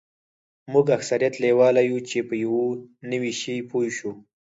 موږ اکثریت لیواله یوو چې په یو نوي شي پوه شو